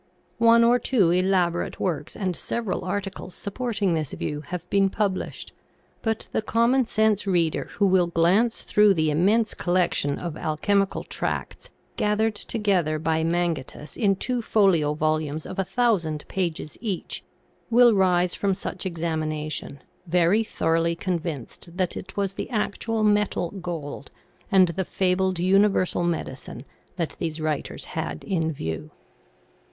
One or two elaborate works and several articles supporting this view have been published, but the common sense reader who will glance through the im mense collection of alchemical tracts gathered together by Mangetus in two folio volumes of a thousand pages each, will rise from such examination, very thoroughly convinced that it was the actual metal gold, and the fabled universal medicine that these writers had in view.